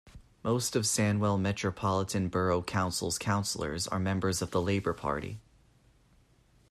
Most of Sandwell Metropolitan Borough Council's councillors are members of the Labour Party.